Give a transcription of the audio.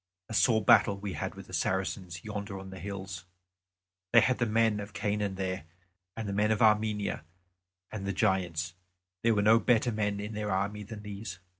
A sore battle we had with the Saracens yonder on the hills; they had the men of Canaan there and the men of Armenia and the Giants; there were no better men in their army than these.